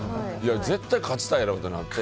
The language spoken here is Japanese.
絶対、勝ちたないってなって。